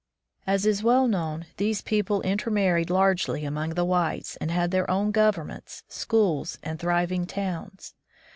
As is well known, these people intermarried largely among the whites, and had their own govern ments, schools, and thriving towns.